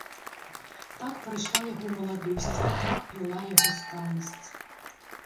Так прайшла яго маладосць, і так плыла яго сталасць.